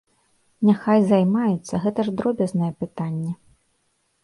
Няхай займаюцца, гэта ж дробязнае пытанне.